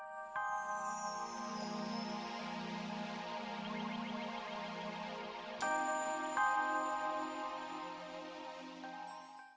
aku mau ke rumah